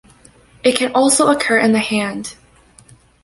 It can also occur in the hand.